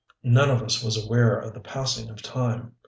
None of us was aware of the passing of time.